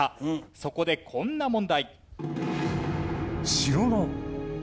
そこでこんな問題。